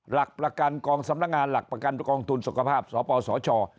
หลักประกันกองสำนักงานหลักประกันกองทุนสุขภาพสปสช